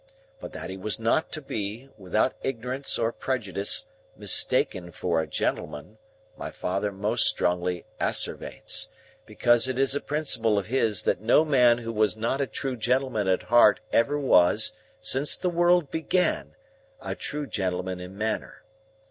But that he was not to be, without ignorance or prejudice, mistaken for a gentleman, my father most strongly asseverates; because it is a principle of his that no man who was not a true gentleman at heart ever was, since the world began, a true gentleman in manner.